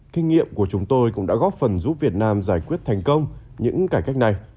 kinh nghiệm của chúng tôi cũng đã góp phần giúp việt nam giải quyết thành công những cải cách này